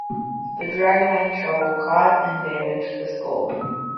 The drag line’s shovel caught and damaged the skull.